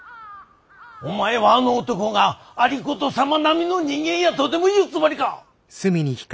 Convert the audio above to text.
お前はあの男が有功様並みの人間やとでも言うつもりか！